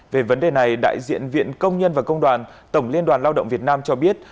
về vấn đề này đại diện viện công nhân và công đoàn tổng liên đoàn lao động việt nam cho biết